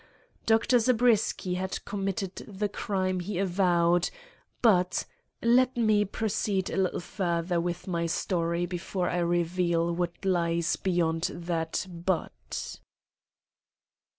Dr. Zabriskie had committed the crime he avowed, but—let me proceed a little further with my story before I reveal what lies beyond that "but."